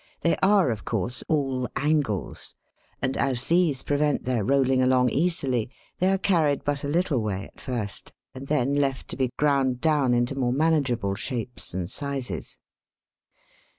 they are, of course, all angles, and as these prevent their rolling along easily, they are carried but a little way at first, and then left to be ground down into more manageable shapes and sizes.